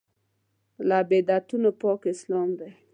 له بدعتونو پاک اسلام ته.